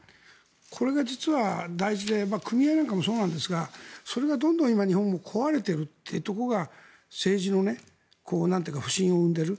これが実は大事で組合なんかもそうですがそれがどんどん今、日本では壊れているというのが政治の不信を生んでいる。